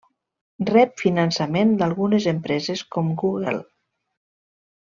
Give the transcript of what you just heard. Rep finançament d'algunes empreses com Google.